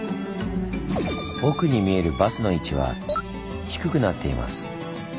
奥に見えるバスの位置は低くなっています。